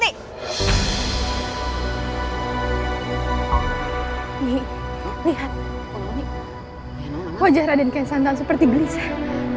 lihat wajah raden kesantau seperti gelisah